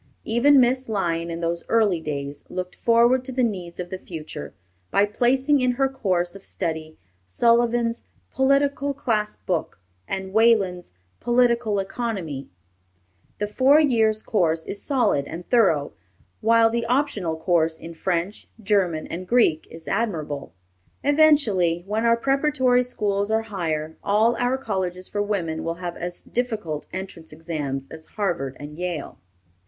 Even Miss Lyon, in those early days, looked forward to the needs of the future, by placing in her course of study, Sullivan's Political Class Book, and Wayland's Political Economy. The four years' course is solid and thorough, while the optional course in French, German, and Greek is admirable. Eventually, when our preparatory schools are higher, all our colleges for women will have as difficult entrance examinations as Harvard and Yale.